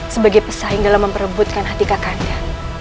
sebagai pesaing dalam memperebutkan hati kak kanda